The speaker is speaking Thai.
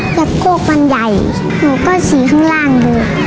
ตะโก้มันใหญ่หนูก็ชี้ข้างล่างดู